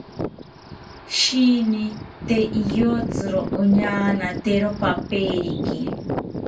Sheeni tee iyotziro oñaanatero paperiki